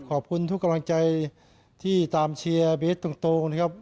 ขอบคุณทุกกำลังใจที่ตามเชียร์เบสตรงนะครับ